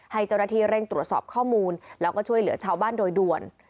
ให้เจ้าหน้าที่เร่งตรวจสอบข้อมูลแล้วก็ช่วยเหลือชาวบ้านโดยด่วน